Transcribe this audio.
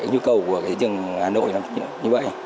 cái nhu cầu của thị trường hà nội là như vậy